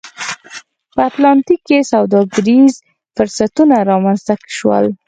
په اتلانتیک کې سوداګریز فرصتونه رامنځته شول